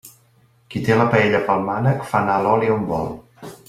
Qui té la paella pel mànec, fa anar l'oli on vol.